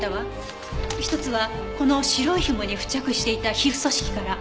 一つはこの白いひもに付着していた皮膚組織から。